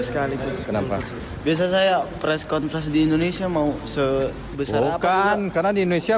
sekali itu kenapa biasanya saya press conference di indonesia mau sebesar bukan karena di indonesia